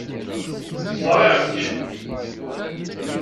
Ẓriɣ-k.